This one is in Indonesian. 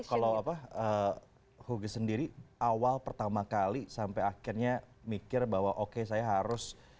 kalau apa hugis sendiri awal pertama kali sampai akhirnya mikir bahwa oke saya harus